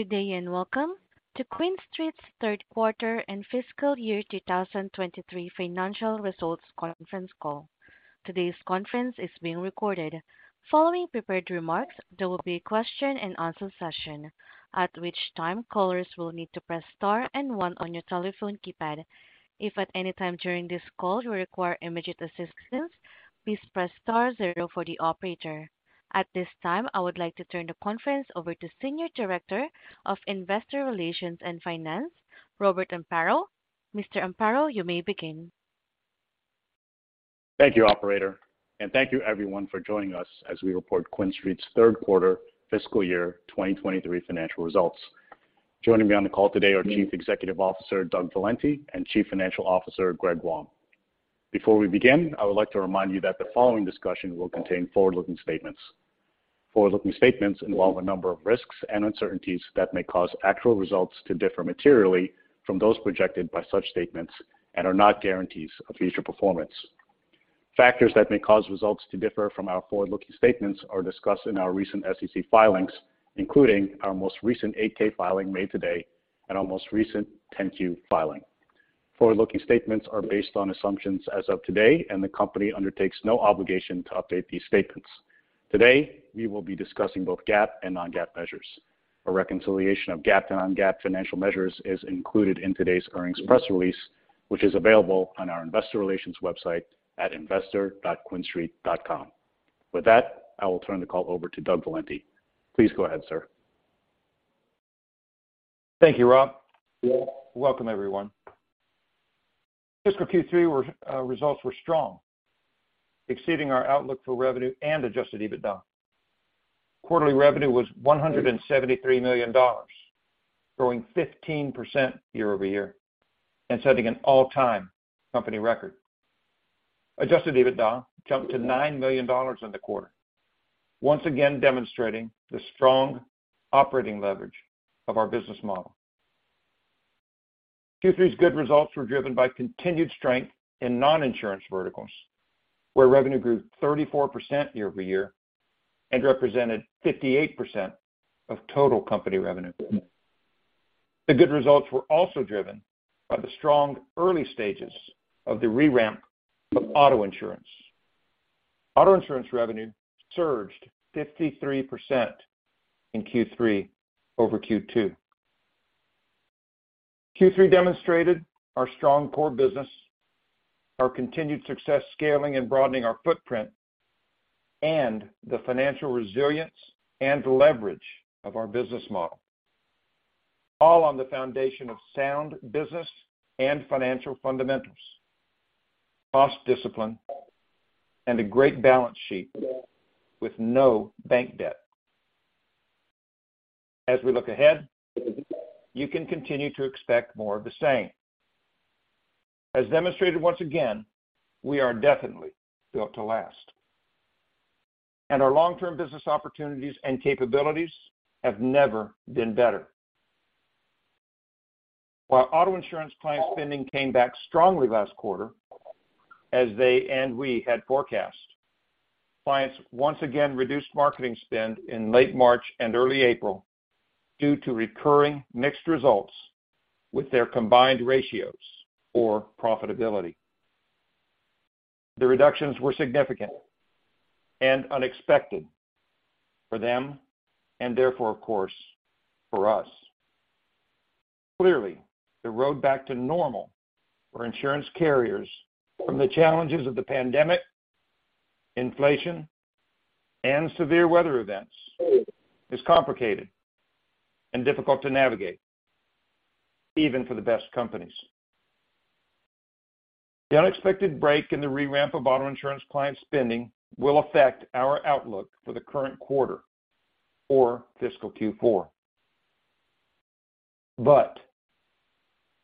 Good day and welcome to QuinStreet's third quarter and Fiscal Year 2023 Financial Results Conference Call. Today's conference is being recorded. Following prepared remarks, there will be a question-and-answer session, at which time callers will need to press star and one on your telephone keypad. If at any time during this call you require immediate assistance, please press star zero for the operator. At this time, I would like to turn the conference over to Senior Director of Investor Relations and Finance, Robert Amparo. Mr. Amparo, you may begin. Thank you, operator, and thank you everyone for joining us as we report QuinStreet's Third Quarter Fiscal Year 2023 Financial Results. Joining me on the call today are Chief Executive Officer, Doug Valenti, and Chief Financial Officer, Greg Wong. Before we begin, I would like to remind you that the following discussion will contain forward-looking statements. Forward-looking statements involve a number of risks and uncertainties that may cause actual results to differ materially from those projected by such statements and are not guarantees of future performance. Factors that may cause results to differ from our forward-looking statements are discussed in our recent SEC filings, including our most recent 8-K filing made today and our most recent 10-Q filing. Forward-looking statements are based on assumptions as of today, and the company undertakes no obligation to update these statements. Today, we will be discussing both GAAP and non-GAAP measures. A reconciliation of GAAP and non-GAAP financial measures is included in today's earnings press release, which is available on our investor relations website at investor.quinstreet.com. With that, I will turn the call over to Doug Valenti. Please go ahead, sir. Thank you, Rob. Welcome, everyone. Fiscal Q3 were results were strong, exceeding our outlook for revenue and Adjusted EBITDA. Quarterly revenue was $173 million, growing 15% year-over-year and setting an all-time company record. Adjusted EBITDA jumped to $9 million in the quarter, once again demonstrating the strong operating leverage of our business model. Q3's good results were driven by continued strength in non-insurance verticals, where revenue grew 34% year-over-year and represented 58% of total company revenue. The good results were also driven by the strong early stages of the re-ramp of auto insurance. Auto insurance revenue surged 53% in Q3 over Q2. Q3 demonstrated our strong core business, our continued success scaling and broadening our footprint, and the financial resilience and leverage of our business model, all on the foundation of sound business and financial fundamentals, cost discipline, and a great balance sheet with no bank debt. As we look ahead, you can continue to expect more of the same. As demonstrated once again, we are definitely built to last, and our long-term business opportunities and capabilities have never been better. While auto insurance client spending came back strongly last quarter, as they and we had forecast, clients once again reduced marketing spend in late March and early April due to recurring mixed results with their combined ratios or profitability. The reductions were significant and unexpected for them and therefore, of course, for us. Clearly, the road back to normal for insurance carriers from the challenges of the pandemic, inflation, and severe weather events is complicated and difficult to navigate, even for the best companies. The unexpected break in the re-ramp of auto insurance client spending will affect our outlook for the current quarter or fiscal Q4.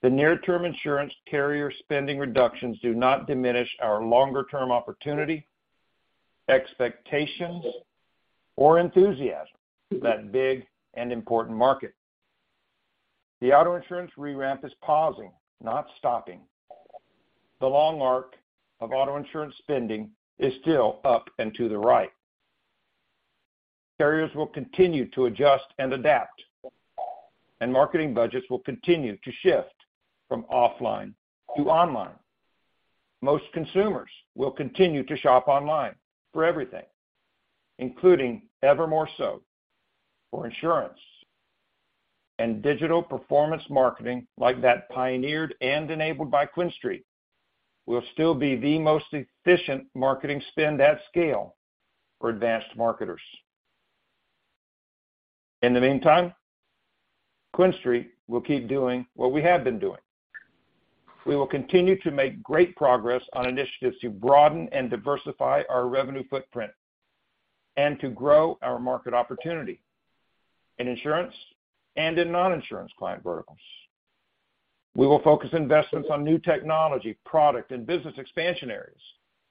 The near-term insurance carrier spending reductions do not diminish our longer-term opportunity, expectations or enthusiasm for that big and important market. The auto insurance re-ramp is pausing, not stopping. The long arc of auto insurance spending is still up and to the right. Carriers will continue to adjust and adapt, and marketing budgets will continue to shift from offline to online. Most consumers will continue to shop online for everything, including ever more so for insurance, and digital performance marketing like that pioneered and enabled by QuinStreet, will still be the most efficient marketing spend at scale for advanced marketers. In the meantime, QuinStreet will keep doing what we have been doing. We will continue to make great progress on initiatives to broaden and diversify our revenue footprint and to grow our market opportunity in insurance and in non-insurance client verticals. We will focus investments on new technology, product, and business expansion areas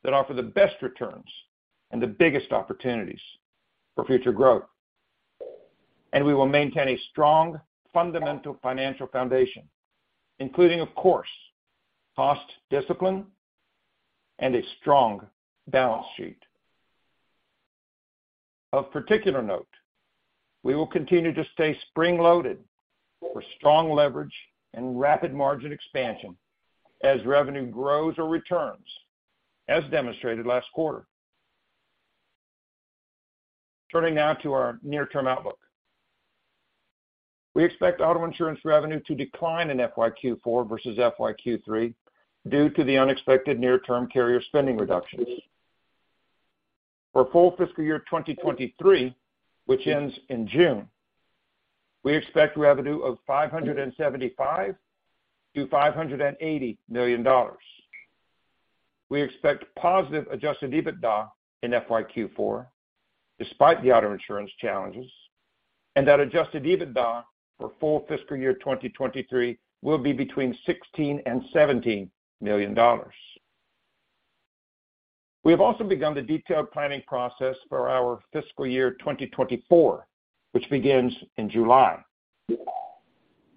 that offer the best returns and the biggest opportunities for future growth. We will maintain a strong fundamental financial foundation, including, of course, cost discipline and a strong balance sheet. Of particular note, we will continue to stay spring-loaded for strong leverage and rapid margin expansion as revenue grows or returns, as demonstrated last quarter. Turning now to our near-term outlook. We expect auto insurance revenue to decline in FYQ4 versus FYQ3 due to the unexpected near-term carrier spending reductions. For full fiscal year 2023, which ends in June, we expect revenue of $575 million-$580 million. We expect positive Adjusted EBITDA in FYQ4 despite the auto insurance challenges, and that Adjusted EBITDA for full fiscal year 2023 will be between $16 million and $17 million. We have also begun the detailed planning process for our fiscal year 2024, which begins in July.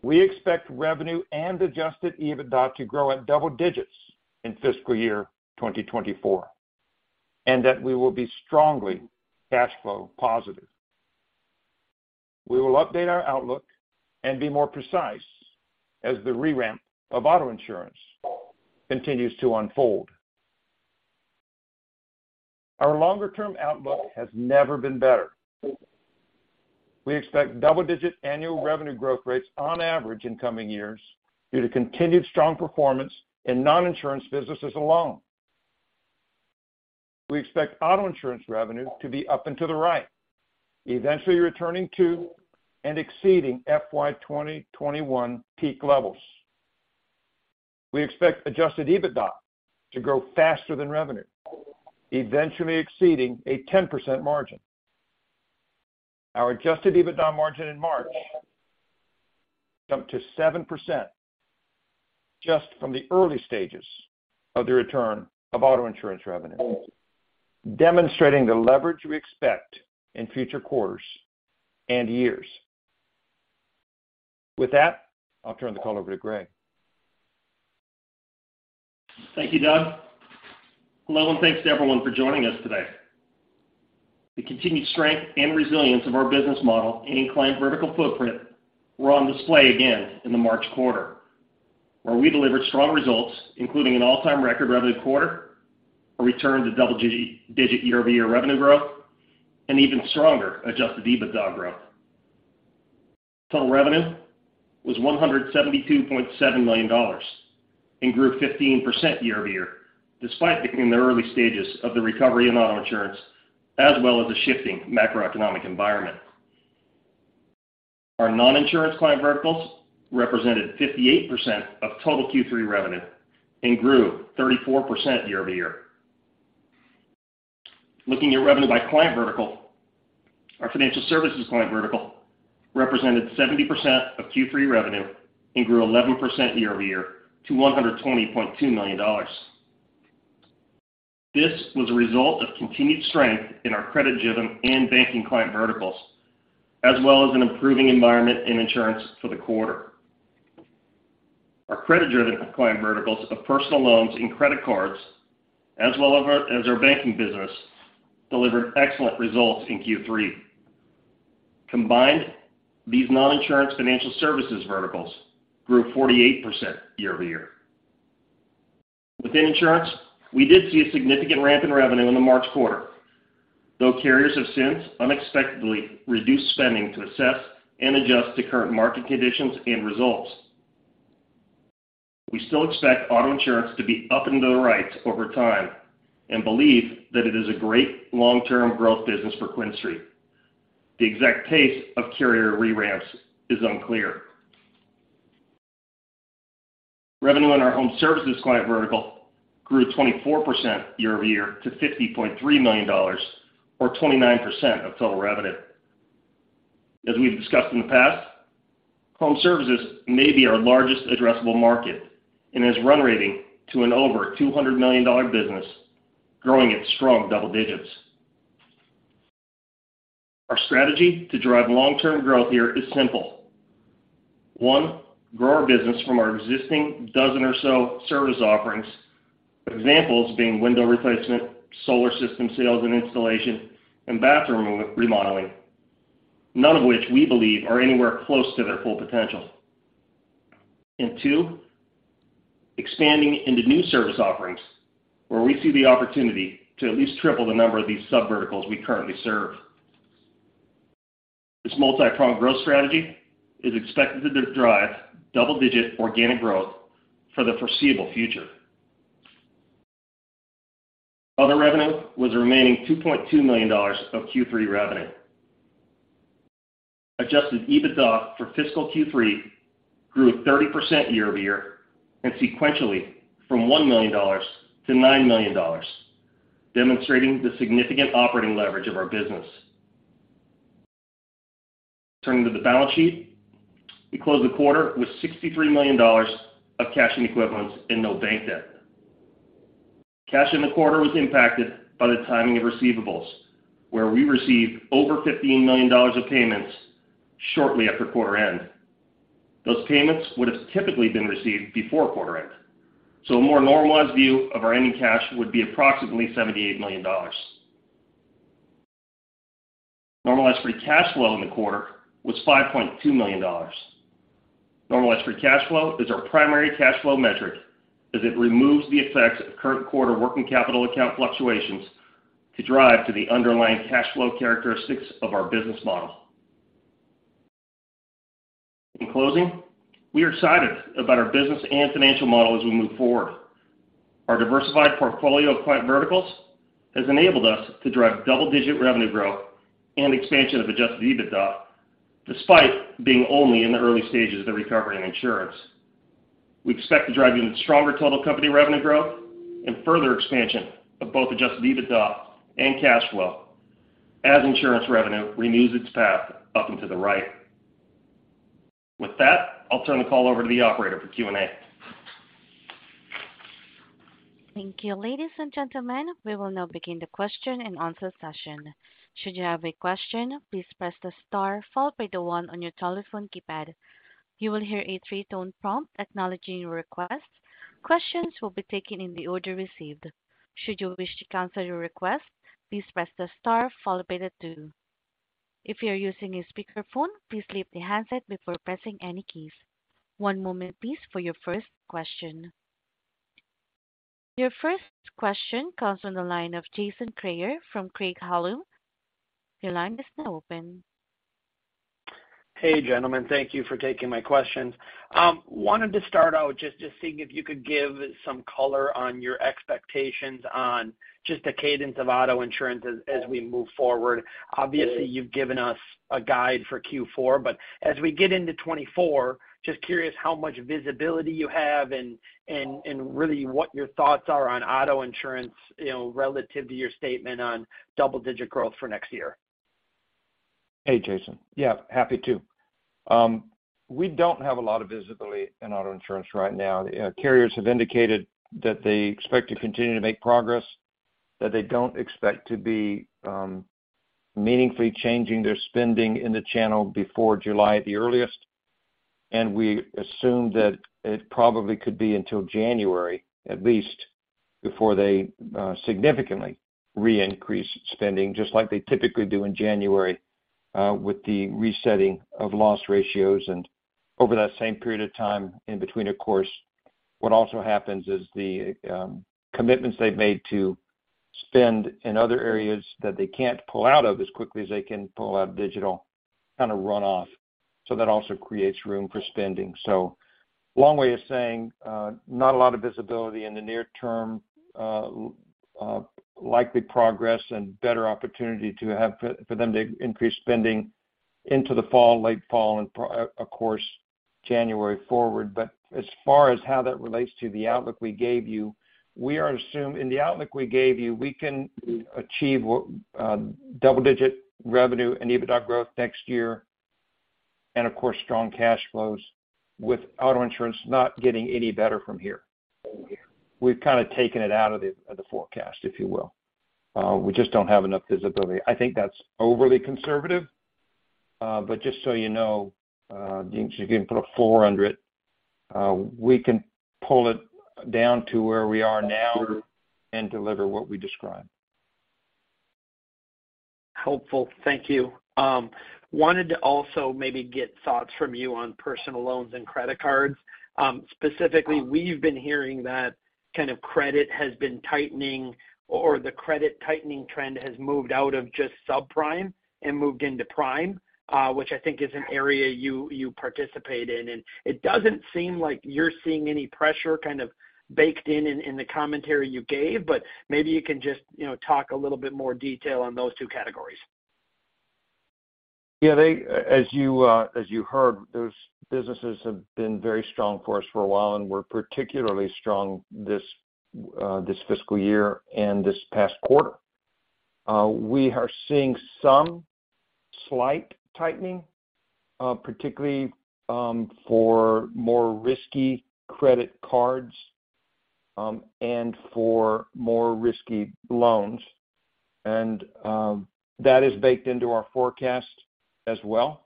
We expect revenue and Adjusted EBITDA to grow at double digits in fiscal year 2024, and that we will be strongly cash flow positive. We will update our outlook and be more precise as the re-ramp of auto insurance continues to unfold. Our longer-term outlook has never been better. We expect double-digit annual revenue growth rates on average in coming years due to continued strong performance in non-insurance businesses alone. We expect auto insurance revenue to be up and to the right, eventually returning to and exceeding FY2021 peak levels. We expect Adjusted EBITDA to grow faster than revenue, eventually exceeding a 10% margin. Our Adjusted EBITDA margin in March jumped to 7% just from the early stages of the return of auto insurance revenue, demonstrating the leverage we expect in future quarters and years. With that, I'll turn the call over to Greg. Thank you, Doug. Hello, and thanks to everyone for joining us today. The continued strength and resilience of our business model and client vertical footprint were on display again in the March quarter, where we delivered strong results, including an all-time record revenue quarter, a return to double digit year-over-year revenue growth, and even stronger Adjusted EBITDA growth. Total revenue was $172.7 million and grew 15% year-over-year, despite being in the early stages of the recovery in auto insurance, as well as a shifting macroeconomic environment. Our non-insurance client verticals represented 58% of total Q3 revenue and grew 34% year-over-year. Looking at revenue by client vertical, our financial services client vertical represented 70% of Q3 revenue and grew 11% year-over-year to $120.2 million. This was a result of continued strength in our credit-driven and banking client verticals, as well as an improving environment in insurance for the quarter. Our credit-driven client verticals of personal loans and credit cards, as well as our banking business, delivered excellent results in Q3. Combined, these non-insurance financial services verticals grew 48% year-over-year. Within insurance, we did see a significant ramp in revenue in the March quarter, though carriers have since unexpectedly reduced spending to assess and adjust to current market conditions and results. We still expect auto insurance to be up into the right over time and believe that it is a great long-term growth business for QuinStreet. The exact pace of carrier re-ramps is unclear. Revenue in our home services client vertical grew 24% year-over-year to $50.3 million or 29% of total revenue. As we've discussed in the past, home services may be our largest addressable market and is run rating to an over $200 million business, growing at strong double digits. Our strategy to drive long-term growth here is simple. One, grow our business from our existing dozen or so service offerings, examples being window replacement, solar system sales and installation, and bathroom remodeling. None of which we believe are anywhere close to their full potential. Two, expanding into new service offerings where we see the opportunity to at least triple the number of these subverticals we currently serve. This multipronged growth strategy is expected to drive double-digit organic growth for the foreseeable future. Other revenue was the remaining $2.2 million of Q3 revenue. Adjusted EBITDA for fiscal Q3 grew 30% year-over-year and sequentially from $1 million to $9 million, demonstrating the significant operating leverage of our business. Turning to the balance sheet. We closed the quarter with $63 million of cash and equivalents and no bank debt. Cash in the quarter was impacted by the timing of receivables, where we received over $15 million of payments shortly after quarter end. Those payments would have typically been received before quarter end. A more normalized view of our ending cash would be approximately $78 million. Normalized free cash flow in the quarter was $5.2 million. Normalized free cash flow is our primary cash flow metric as it removes the effects of current quarter working capital account fluctuations to drive to the underlying cash flow characteristics of our business model. In closing, we are excited about our business and financial model as we move forward. Our diversified portfolio of client verticals has enabled us to drive double-digit revenue growth and expansion of Adjusted EBITDA, despite being only in the early stages of the recovery in insurance. We expect to drive even stronger total company revenue growth and further expansion of both Adjusted EBITDA and cash flow as insurance revenue renews its path up and to the right. With that, I'll turn the call over to the operator for Q&A. Thank you. Ladies and gentlemen, we will now begin the question-and-answer session. Should you have a question, please press the star followed by the one on your telephone keypad. You will hear a 3-tone prompt acknowledging your request. Questions will be taken in the order received. Should you wish to cancel your request, please press the star followed by the two. If you're using a speakerphone, please leave the handset before pressing any keys. One moment please for your first question. Your first question comes from the line of Jason Kreyer from Craig-Hallum. Your line is now open. Hey, gentlemen. Thank you for taking my questions. Wanted to start out just seeing if you could give some color on your expectations on just the cadence of auto insurance as we move forward. Obviously, you've given us a guide for Q4, but as we get into 2024, just curious how much visibility you have and really what your thoughts are on auto insurance, you know, relative to your statement on double-digit growth for next year? Hey, Jason. Yeah, happy to. We don't have a lot of visibility in auto insurance right now. Carriers have indicated that they expect to continue to make progress, that they don't expect to be meaningfully changing their spending in the channel before July at the earliest. We assume that it probably could be until January, at least, before they significantly re-increase spending, just like they typically do in January with the resetting of loss ratios. Over that same period of time in between, of course, what also happens is the commitments they've made to spend in other areas that they can't pull out of as quickly as they can pull out digital kind of run off. That also creates room for spending. long way of saying, not a lot of visibility in the near term, likely Progressive and better opportunity to have for them to increase spending into the fall, late fall and of course, January forward. As far as how that relates to the outlook we gave you, we are in the outlook we gave you, we can achieve what, double-digit revenue and EBITDA growth next year and of course, strong cash flows with auto insurance not getting any better from here. We've kind of taken it out of the forecast, if you will. We just don't have enough visibility. I think that's overly conservative. Just so you know, you can put a floor under it. We can pull it down to where we are now and deliver what we described. Helpful. Thank you. wanted to also maybe get thoughts from you on personal loans and credit cards. specifically, we've been hearing that kind of credit has been tightening or the credit tightening trend has moved out of just subprime and moved into prime, which I think is an area you participate in. It doesn't seem like you're seeing any pressure kind of baked in, in the commentary you gave, but maybe you can just, you know, talk a little bit more detail on those two categories. Yeah, as you heard, those businesses have been very strong for us for a while, and we're particularly strong this fiscal year and this past quarter. We are seeing some slight tightening, particularly for more risky credit cards and for more risky loans. That is baked into our forecast as well.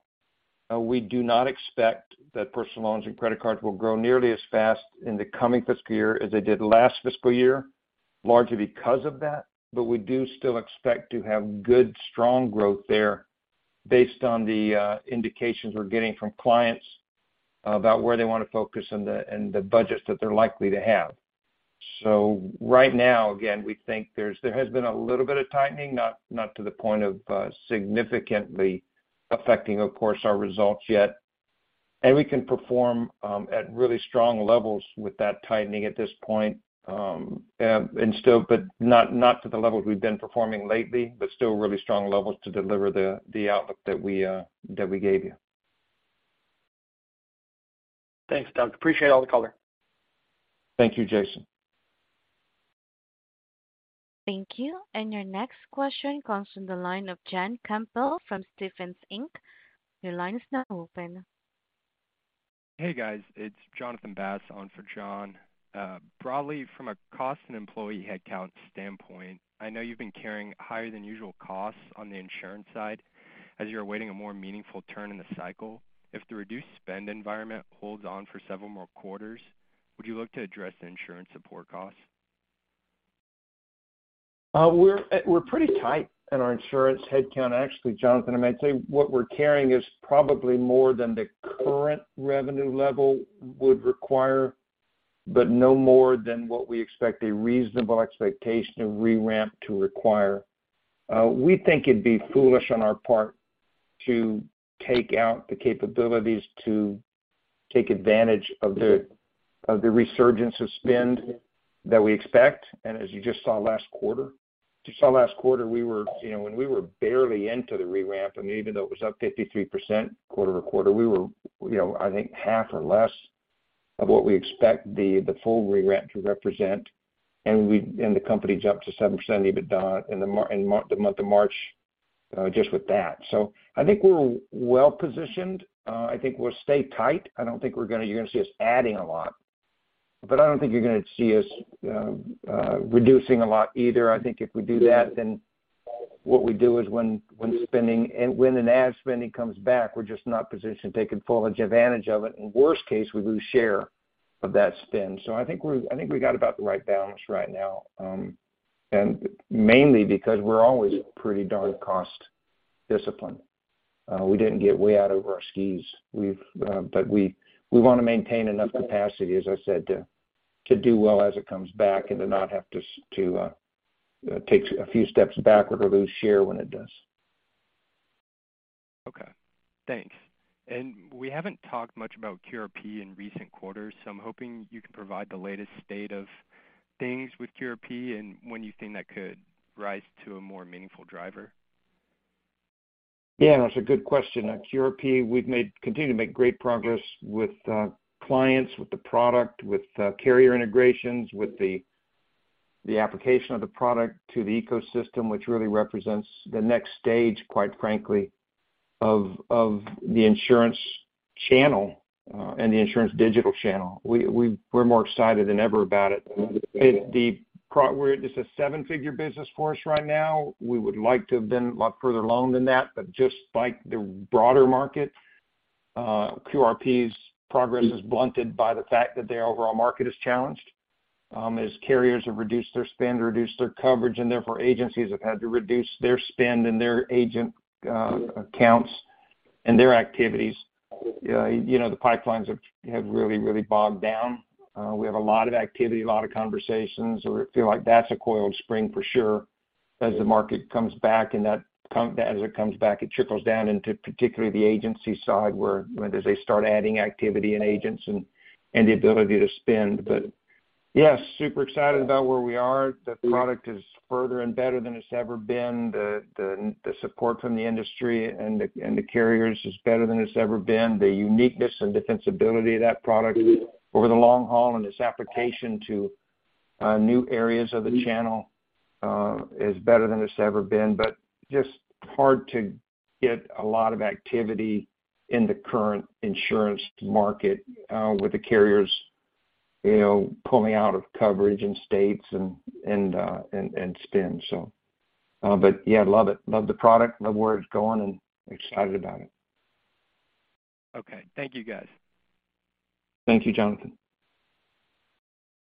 We do not expect that personal loans and credit cards will grow nearly as fast in the coming fiscal year as they did last fiscal year, largely because of that. We do still expect to have good, strong growth there based on the indications we're getting from clients about where they want to focus and the budgets that they're likely to have. Right now, again, we think there's, there has been a little bit of tightening, not to the point of significantly affecting, of course, our results yet. We can perform at really strong levels with that tightening at this point, and still, but not to the levels we've been performing lately, but still really strong levels to deliver the outlook that we gave you. Thanks, Doug. Appreciate all the color. Thank you, Jason. Thank you. Your next question comes from the line of John Campbell from Stephens Inc. Your line is now open. Hey, guys. It's Jonathan Bass on for John. Broadly, from a cost and employee headcount standpoint, I know you've been carrying higher than usual costs on the insurance side as you're awaiting a more meaningful turn in the cycle. If the reduced spend environment holds on for several more quarters, would you look to address the insurance support costs? We're, we're pretty tight in our insurance headcount, actually, Jonathan. I might say what we're carrying is probably more than the current revenue level would require, but no more than what we expect a reasonable expectation of re-ramp to require. We think it'd be foolish on our part to take out the capabilities to take advantage of the, of the resurgence of spend that we expect, and as you just saw last quarter. As you saw last quarter, we were, you know, when we were barely into the re-ramp, I mean, even though it was up 53% quarter-over-quarter, we were, you know, I think half or less of what we expect the full re-ramp to represent. The company jumped to 7% EBITDA in the month of March, just with that. I think we're well-positioned. I think we'll stay tight. I don't think you're gonna see us adding a lot, but I don't think you're gonna see us reducing a lot either. I think if we do that, then what we do is when spending and when an ad spending comes back, we're just not positioned to take advantage of it. In worst case, we lose share of that spend. I think we got about the right balance right now, and mainly because we're always pretty darn cost disciplined. We didn't get way out over our skis. We've but we wanna maintain enough capacity, as I said, to do well as it comes back and to not have to take a few steps backward or lose share when it does. Okay. Thanks. We haven't talked much about QRP in recent quarters, so I'm hoping you can provide the latest state of things with QRP and when you think that could rise to a more meaningful driver. Yeah, that's a good question. At QRP, we continue to make great progress with clients, with the product, with carrier integrations, with the application of the product to the ecosystem, which really represents the next stage, quite frankly, of the insurance channel, and the insurance digital channel. We're more excited than ever about it. This is a 7-figure business for us right now. We would like to have been a lot further along than that, but just like the broader market, QRP's progress is blunted by the fact that their overall market is challenged, as carriers have reduced their spend, reduced their coverage, and therefore agencies have had to reduce their spend and their agent accounts and their activities. you know, the pipelines have really bogged down. We have a lot of activity, a lot of conversations. We feel like that's a coiled spring for sure, as the market comes back and as it comes back, it trickles down into particularly the agency side, where as they start adding activity and agents and the ability to spend. Yes, super excited about where we are. The product is further and better than it's ever been. The support from the industry and the carriers is better than it's ever been. The uniqueness and defensibility of that product over the long haul and its application to new areas of the channel is better than it's ever been. Just hard to get a lot of activity in the current insurance market, with the carriers, you know, pulling out of coverage in states and spend so. Yeah, love it. Love the product, love where it's going and excited about it. Okay. Thank you, guys. Thank you, Jonathan.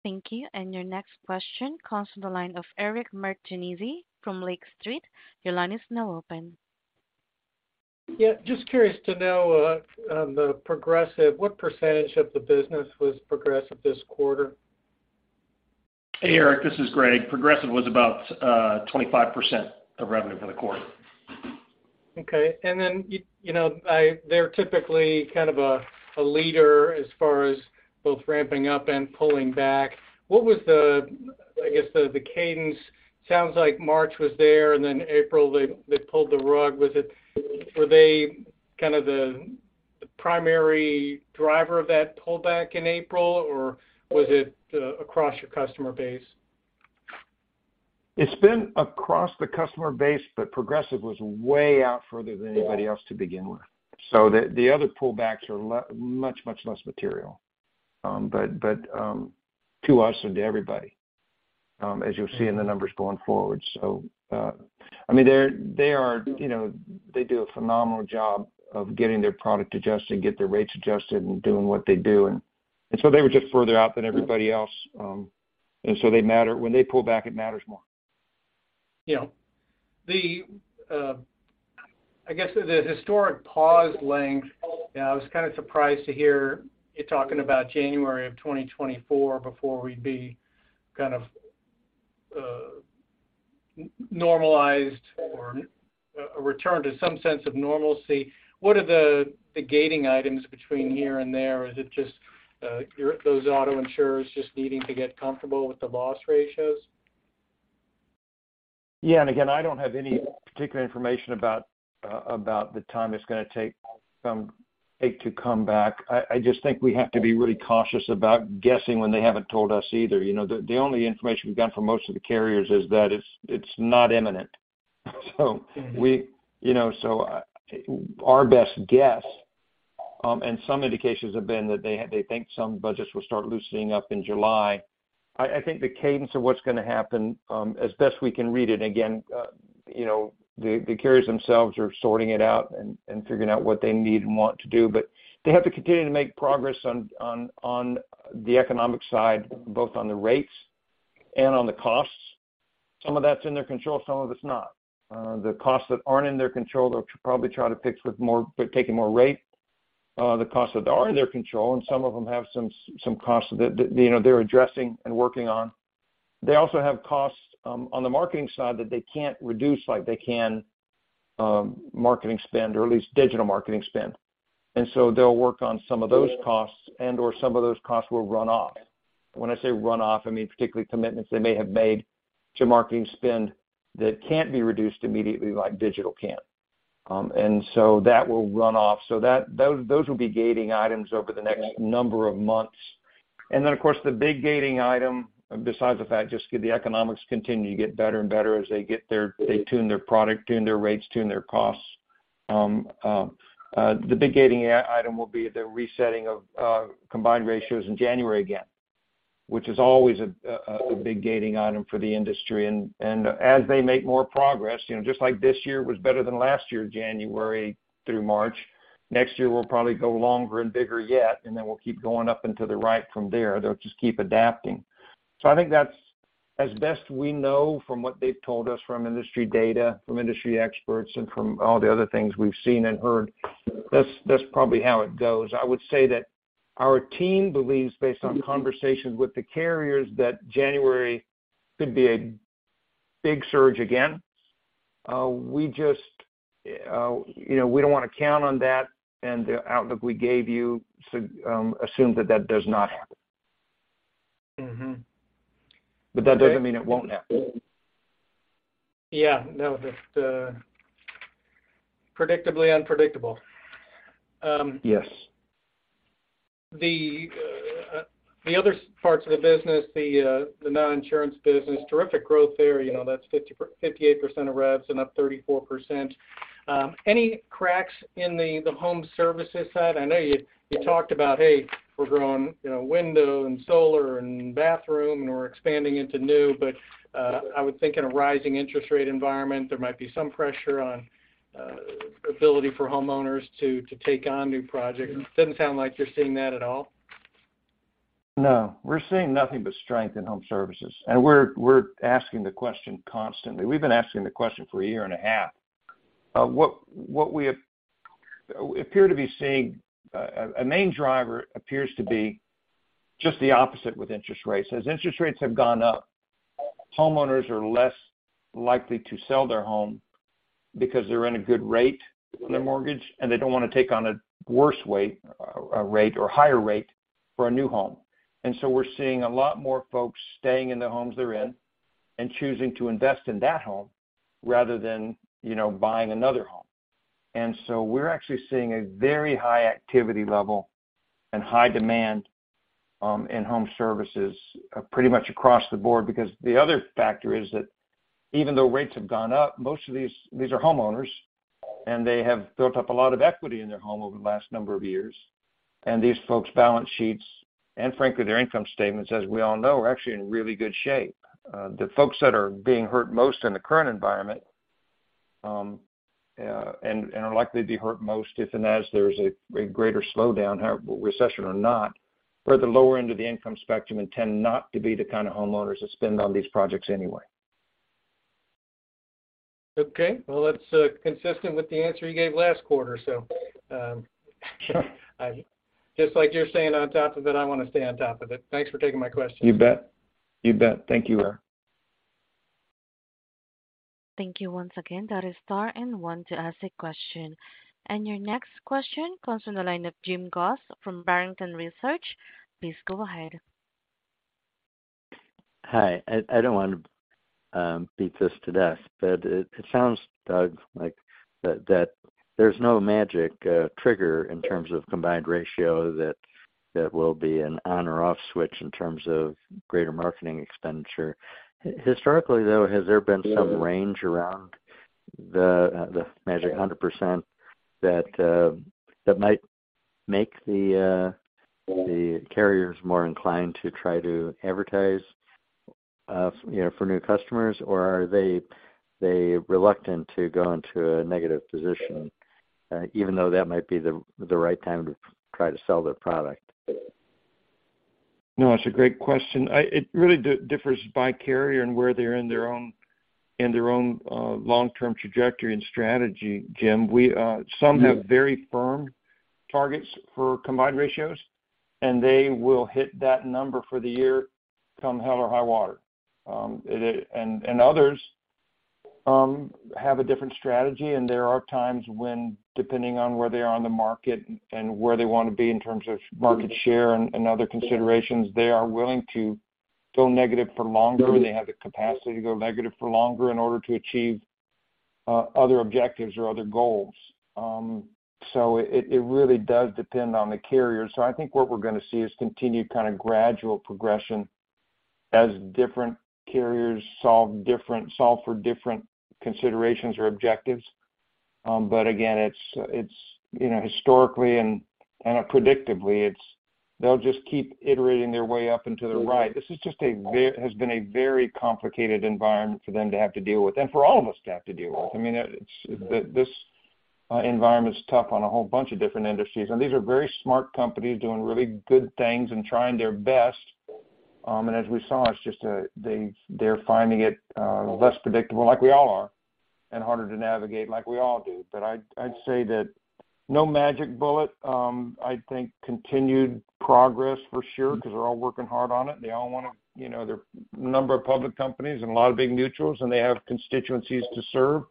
Thank you. Your next question comes from the line of Eric Martinuzzi from Lake Street. Your line is now open. Yeah, just curious to know, on the Progressive, what % of the business was Progressive this quarter? Hey, Eric, this is Greg. Progressive was about, 25% of revenue for the quarter. Okay. You know, they're typically kind of a leader as far as both ramping up and pulling back. What was the, I guess the cadence? Sounds like March was there and then April they pulled the rug. Were they kind of the primary driver of that pullback in April, or was it across your customer base? It's been across the customer base, but Progressive was way out further than anybody else to begin with. The other pullbacks are much, much less material, but to us and to everybody, as you'll see in the numbers going forward. I mean, they're, they are, you know, they do a phenomenal job of getting their product adjusted, get their rates adjusted and doing what they do. They were just further out than everybody else, and so they matter. When they pull back, it matters more. Yeah. The, I guess the historic pause length, I was kind of surprised to hear you talking about January of 2024 before we'd be kind of normalized or a return to some sense of normalcy. What are the gating items between here and there? Is it just those auto insurers just needing to get comfortable with the loss ratios? Again, I don't have any particular information about the time it's gonna take it to come back. I just think we have to be really cautious about guessing when they haven't told us either. You know, the only information we've gotten from most of the carriers is that it's not imminent. We, you know, so our best guess, and some indications have been that they think some budgets will start loosening up in July. I think the cadence of what's gonna happen, as best we can read it, again, You know, the carriers themselves are sorting it out and figuring out what they need and want to do. They have to continue to make progress on the economic side, both on the rates and on the costs. Some of that's in their control, some of it's not. The costs that aren't in their control, they'll probably try to fix by taking more rate. The costs that are in their control, and some of them have some costs that, you know, they're addressing and working on. They also have costs on the marketing side that they can't reduce like they can marketing spend or at least digital marketing spend. They'll work on some of those costs and/or some of those costs will run off. When I say run off, I mean particularly commitments they may have made to marketing spend that can't be reduced immediately like digital can. That will run off. Those will be gating items over the next number of months. Of course, the big gating item, besides the fact just the economics continue to get better and better as they get their. They tune their product, tune their rates, tune their costs. The big gating item will be the resetting of combined ratios in January again, which is always a big gating item for the industry. As they make more progress, you know, just like this year was better than last year, January through March, next year will probably go longer and bigger yet, and then we'll keep going up into the right from there. They'll just keep adapting. I think that's as best we know from what they've told us from industry data, from industry experts, and from all the other things we've seen and heard, that's probably how it goes. I would say that our team believes, based on conversations with the carriers, that January could be a big surge again. We just, you know, we don't wanna count on that, and the outlook we gave you assumes that that does not happen. That doesn't mean it won't happen. Yeah, no, just, predictably unpredictable. Yes. The other parts of the business, the non-insurance business, terrific growth there. You know, that's 58% of revs and up 34%. Any cracks in the home services side? I know you talked about, hey, we're growing, you know, window and solar and bathroom, and we're expanding into new. I would think in a rising interest rate environment, there might be some pressure on ability for homeowners to take on new projects. Doesn't sound like you're seeing that at all. No. We're seeing nothing but strength in home services, and we're asking the question constantly. We've been asking the question for a year and a half. What we appear to be seeing, a main driver appears to be just the opposite with interest rates. As interest rates have gone up, homeowners are less likely to sell their home because they're in a good rate on their mortgage, and they don't wanna take on a worse rate or higher rate for a new home. We're seeing a lot more folks staying in the homes they're in and choosing to invest in that home rather than, you know, buying another home. We're actually seeing a very high activity level and high demand in home services pretty much across the board. Because the other factor is that even though rates have gone up, most of these are homeowners, and they have built up a lot of equity in their home over the last number of years. These folks' balance sheets, and frankly, their income statements, as we all know, are actually in really good shape. The folks that are being hurt most in the current environment, and are likely to be hurt most if and as there is a greater slowdown, however, recession or not, are at the lower end of the income spectrum and tend not to be the kind of homeowners that spend on these projects anyway. Okay. Well, that's consistent with the answer you gave last quarter. Sure. Just like you're saying on top of it, I wanna stay on top of it. Thanks for taking my question. You bet. You bet. Thank you, Eric. Thank you once again. That is star and one to ask a question. Your next question comes from the line of Jim Goss from Barrington Research. Please go ahead. Hi. I don't wanna beat this to death, but it sounds, Doug, like that there's no magic trigger in terms of combined ratio that will be an on or off switch in terms of greater marketing expenditure. Historically, though, has there been some range around the magic 100% that might make the carriers more inclined to try to advertise, you know, for new customers? Or are they reluctant to go into a negative position, even though that might be the right time to try to sell their product? No, it's a great question. It really differs by carrier and where they're in their own long-term trajectory and strategy, Jim. We some have very firm targets for combined ratios, and they will hit that number for the year come hell or high water. Others have a different strategy, and there are times when, depending on where they are on the market and where they wanna be in terms of market share and other considerations, they are willing to go negative for longer, they have the capacity to go negative for longer in order to achieve other objectives or other goals. It really does depend on the carrier. I think what we're gonna see is continued kind of gradual progression as different carriers solve for different considerations or objectives. Again, it's, you know, historically and predictively, it's. They'll just keep iterating their way up into the right. This has been a very complicated environment for them to have to deal with and for all of us to have to deal with. I mean, it's this environment is tough on a whole bunch of different industries, and these are very smart companies doing really good things and trying their best. As we saw, it's just they're finding it less predictable, like we all are, and harder to navigate like we all do. I'd say that no magic bullet. I think continued progress for sure 'cause they're all working hard on it. They all wanna, you know, there are a number of public companies and a lot of big mutuals, and they have constituencies to serve,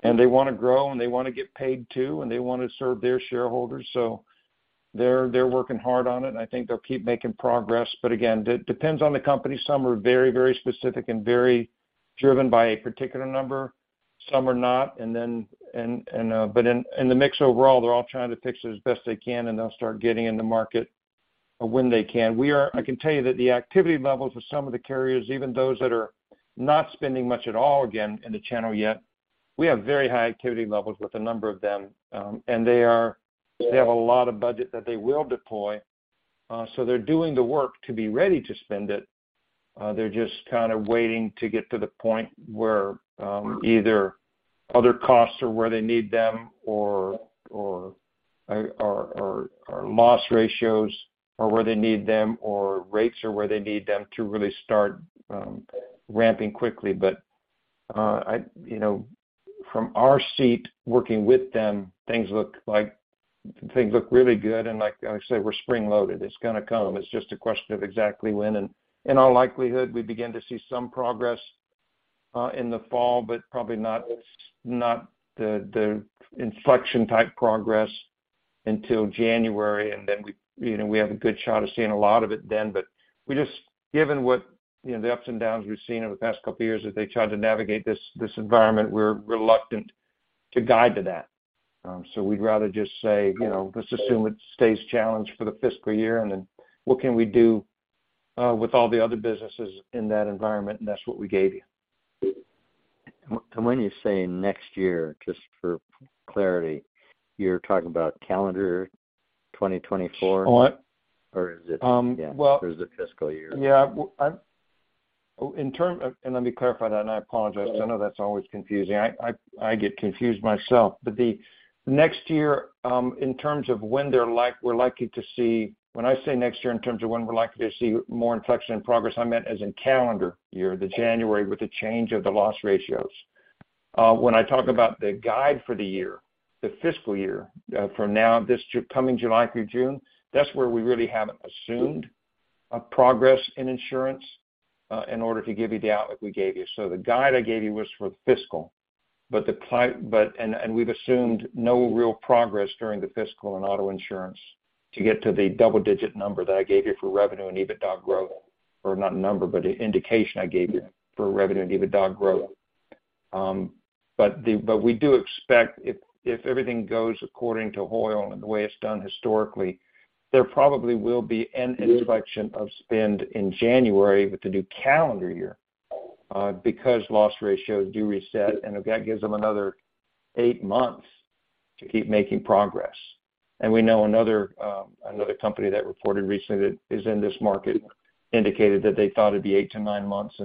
and they wanna grow, and they wanna get paid too, and they wanna serve their shareholders. They're, they're working hard on it, and I think they'll keep making progress. Again, depends on the company. Some are very, very specific and very driven by a particular number. Some are not. In, in the mix overall, they're all trying to fix it as best they can, and they'll start getting in the market when they can. We are... I can tell you that the activity levels of some of the carriers, even those that are not spending much at all, again, in the channel yet, we have very high activity levels with a number of them. They have a lot of budget that they will deploy, so they're doing the work to be ready to spend it. They're just kind of waiting to get to the point where, either other costs are where they need them or loss ratios are where they need them or rates are where they need them to really start, ramping quickly. You know, from our seat working with them, things look really good. Like I say, we're spring-loaded. It's gonna come. It's just a question of exactly when. In all likelihood, we begin to see some progress in the fall, but probably not the inflection type progress until January. Then we, you know, we have a good shot of seeing a lot of it then. Given what, you know, the ups and downs we've seen over the past couple of years as they tried to navigate this environment, we're reluctant to guide to that. So we'd rather just say, you know, let's assume it stays challenged for the fiscal year, and then what can we do with all the other businesses in that environment? That's what we gave you. When you say next year, just for clarity, you're talking about calendar 2024? What? is it- Well... Yeah. Is it fiscal year? Yeah. In term... and let me clarify that, and I apologize. I know that's always confusing. I get confused myself. The next year, in terms of when they're like we're likely to see... When I say next year, in terms of when we're likely to see more inflection and progress, I meant as in calendar year, the January with the change of the loss ratios. When I talk about the guide for the year, the fiscal year, from now, this coming July through June, that's where we really haven't assumed a progress in insurance, in order to give you the outlook we gave you. The guide I gave you was for fiscal. We've assumed no real progress during the fiscal and auto insurance to get to the double-digit number that I gave you for revenue and EBITDA growth. Not number, but the indication I gave you for revenue and EBITDA growth. But we do expect if everything goes according to Hoyle and the way it's done historically, there probably will be an inflection of spend in January with the new calendar year, because loss ratios do reset, and that gives them another eight months to keep making progress. We know another company that reported recently that is in this market indicated that they thought it'd be 8-9 months.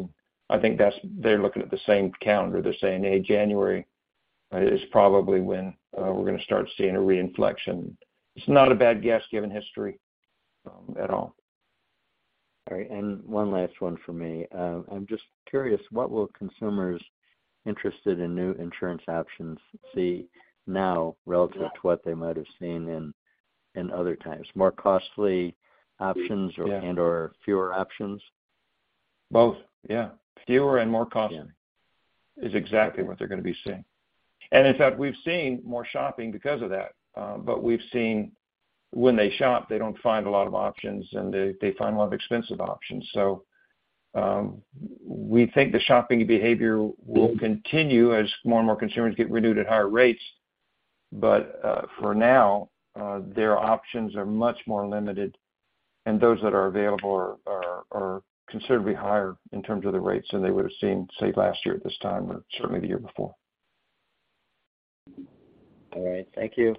I think that's. They're looking at the same calendar. They're saying, "Hey, January is probably when we're gonna start seeing a re-inflection." It's not a bad guess given history at all. All right. One last one for me. I'm just curious, what will consumers interested in new insurance options see now relative to what they might have seen in other times? More costly options? Yeah. And/or fewer options? Both. Yeah. Fewer and more costly- Yeah. is exactly what they're gonna be seeing. In fact, we've seen more shopping because of that. We've seen when they shop, they don't find a lot of options, and they find a lot of expensive options. We think the shopping behavior will continue as more and more consumers get renewed at higher rates. For now, their options are much more limited, and those that are available are considerably higher in terms of the rates than they would have seen, say, last year at this time or certainly the year before. All right. Thank you.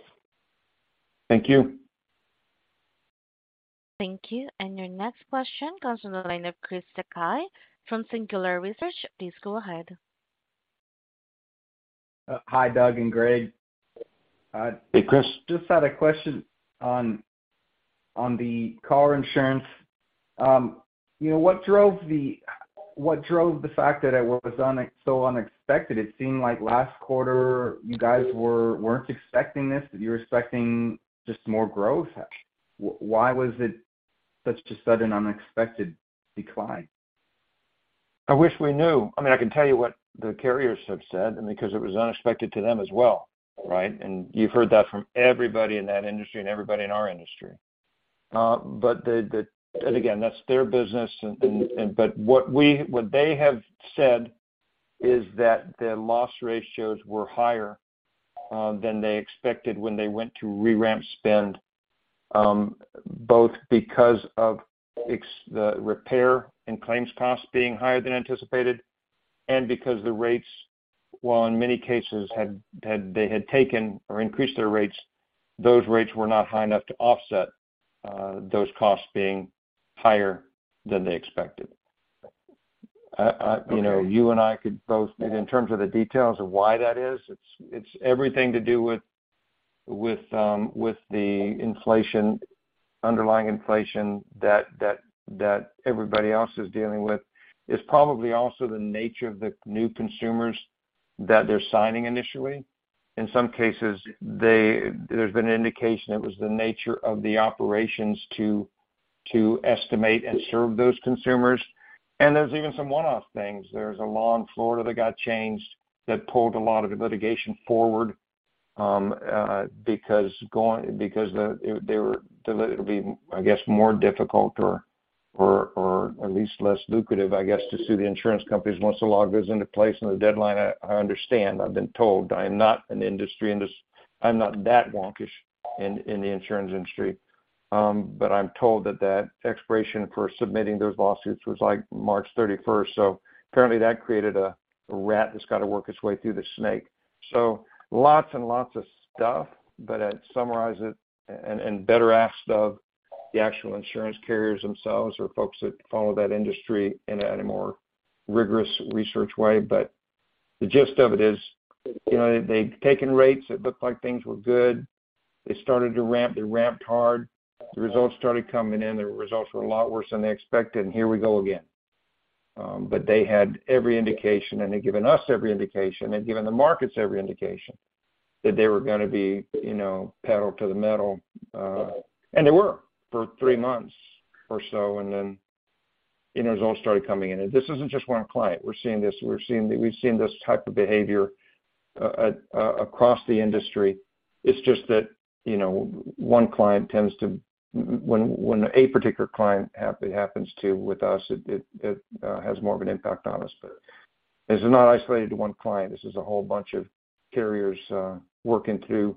Thank you. Thank you. Your next question comes from the line of Christopher Sakai from Singular Research. Please go ahead. Hi, Doug and Greg. Hey, Chris. Just had a question on the car insurance. you know, What drove the fact that it was so unexpected? It seemed like last quarter, you guys weren't expecting this, that you were expecting just more growth. Why was it such a sudden unexpected decline? I wish we knew. I mean, I can tell you what the carriers have said because it was unexpected to them as well, right? You've heard that from everybody in that industry and everybody in our industry. Again, that's their business. What they have said is that the loss ratios were higher than they expected when they went to re-ramp spend, both because of the repair and claims costs being higher than anticipated and because the rates, while in many cases had taken or increased their rates, those rates were not high enough to offset those costs being higher than they expected. You know, you and I could both. In terms of the details of why that is, it's everything to do with the inflation, underlying inflation that everybody else is dealing with. It's probably also the nature of the new consumers that they're signing initially. In some cases, there's been an indication it was the nature of the operations to estimate and serve those consumers. There's even some one-off things. There's a law in Florida that got changed that pulled a lot of the litigation forward, because the, they were to be, I guess, more difficult or at least less lucrative, I guess, to sue the insurance companies once the law goes into place and the deadline. I understand, I've been told. I am not an industry in this. I'm not that wonkish in the insurance industry. I'm told that that expiration for submitting those lawsuits was like March 31st. Apparently that created a rat that's got to work its way through the snake. Lots and lots of stuff, but I'd summarize it and better asked of the actual insurance carriers themselves or folks that follow that industry in a more rigorous research way. The gist of it is, you know, they'd taken rates. It looked like things were good. They started to ramp. They ramped hard. The results started coming in. The results were a lot worse than they expected, and here we go again. They had every indication, and they'd given us every indication, they'd given the markets every indication that they were gonna be, you know, pedal to the metal, and they were for 3 months or so. Then, you know, it all started coming in. This isn't just one client. We're seeing this, we've seen this type of behavior across the industry. It's just that, you know, when a particular client it happens to with us, it has more of an impact on us. This is not isolated to one client. This is a whole bunch of carriers, working through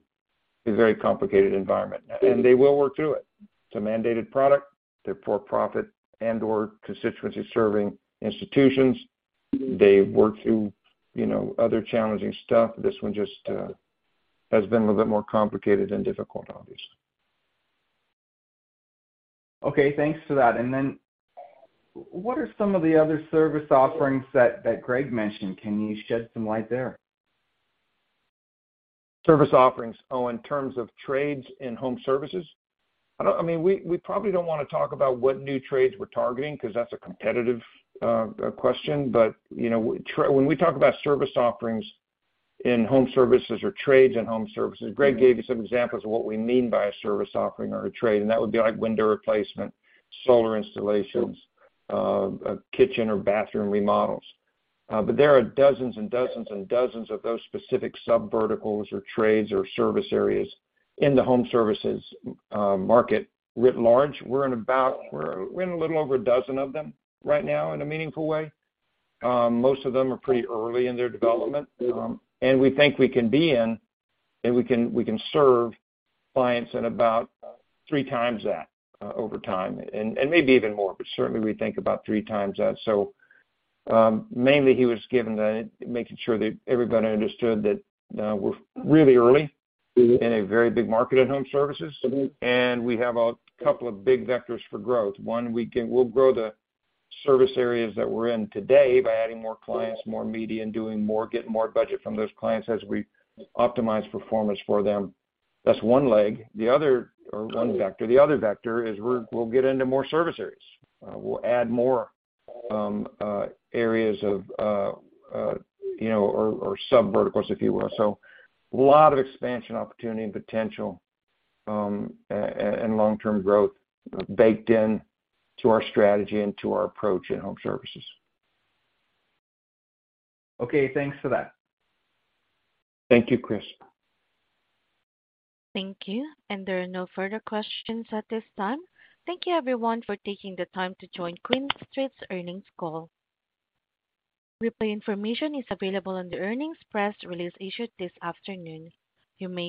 a very complicated environment. They will work through it. It's a mandated product. They're for-profit and/or constituency-serving institutions. They work through, you know, other challenging stuff. This one just has been a little bit more complicated and difficult, obviously. Okay, thanks for that. What are some of the other service offerings that Greg mentioned? Can you shed some light there? Service offerings. In terms of trades in home services? I mean, we probably don't wanna talk about what new trades we're targeting because that's a competitive question. You know, when we talk about service offerings in home services or trades in home services, Greg gave you some examples of what we mean by a service offering or a trade, and that would be like window replacement, solar installations, kitchen or bathroom remodels. There are dozens and dozens and dozens of those specific subverticals or trades or service areas in the home services market writ large. We're in a little over a dozen of them right now in a meaningful way. Most of them are pretty early in their development. We think we can be in, and we can serve clients at about three times that over time, and maybe even more. Certainly, we think about three times that. Mainly he was making sure that everybody understood that we're really early in a very big market at home services. We have a couple of big vectors for growth. One, we'll grow the service areas that we're in today by adding more clients, more media, and doing more, getting more budget from those clients as we optimize performance for them. That's one leg. The other vector is we'll get into more service areas. We'll add more areas of, you know, or subverticals, if you will. A lot of expansion opportunity and potential and long-term growth baked in to our strategy and to our approach in home services. Okay, thanks for that. Thank you, Chris. Thank you. There are no further questions at this time. Thank you, everyone, for taking the time to join QuinStreet's Earnings Call. Replay information is available on the earnings press release issued this afternoon.